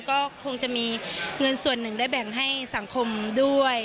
ก็คงจะมีเงินส่วนหนึ่งได้แบ่งให้สังคมด้วย